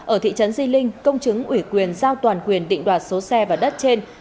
ở thị trấn di linh công chứng ủy quyền giao toàn quyền định đoạt số xe và đất trên